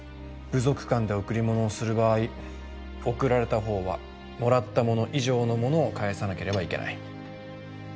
部族間で贈り物をする場合贈られた方はもらったもの以上のものを返さなければいけない。